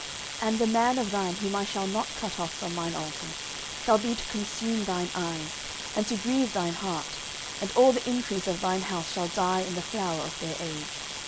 09:002:033 And the man of thine, whom I shall not cut off from mine altar, shall be to consume thine eyes, and to grieve thine heart: and all the increase of thine house shall die in the flower of their age.